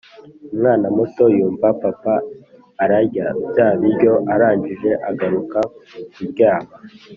Umwana muto yumva papa ararya bya biryo arangije agaruka kuryama